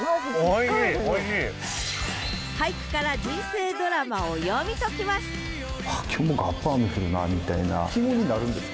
俳句から人生ドラマを読み解きます。